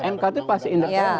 mk itu pasti indah